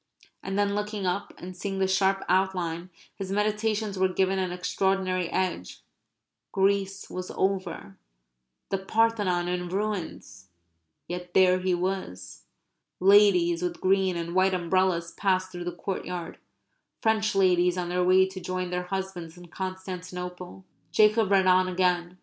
And then looking up and seeing the sharp outline, his meditations were given an extraordinary edge; Greece was over; the Parthenon in ruins; yet there he was. (Ladies with green and white umbrellas passed through the courtyard French ladies on their way to join their husbands in Constantinople.) Jacob read on again.